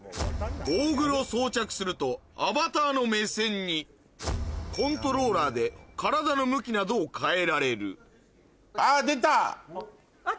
ゴーグルを装着するとアバターの目線にコントローラーで体の向きなどを変えられる来た！